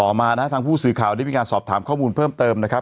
มานะฮะทางผู้สื่อข่าวได้มีการสอบถามข้อมูลเพิ่มเติมนะครับ